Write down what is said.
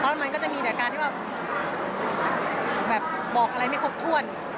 เพราะมันก็จะมีแต่การที่แบบบอกอะไรไม่ครบถ้วน